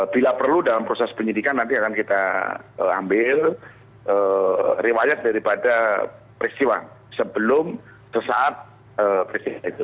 bila perlu dalam proses penyidikan nanti akan kita ambil riwayat daripada peristiwa sebelum sesaat presiden itu